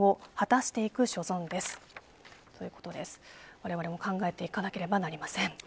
われわれも考えていかなければなりません。